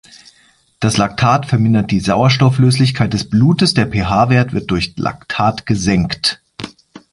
Das Lactat vermindert die O-Löslichkeit des Blutes, der pH-Wert wird durch Lactat gesenkt.